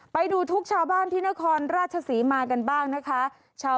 ไปดูทุกชาวบ้านที่นครราชศรีมากันบ้างนะคะ